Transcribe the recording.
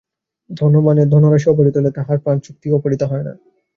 ধনবানের ধনরাশি অপহৃত হইলে তাহার প্রাণশক্তি অপহৃত হয় না।